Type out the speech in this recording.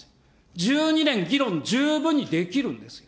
１２年、議論、十分できるんですよ。